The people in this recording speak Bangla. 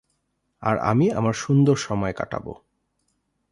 আর আমি আমার সুন্দর সময় কাটাব।